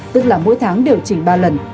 tức là mỗi tháng điều chỉnh ba lần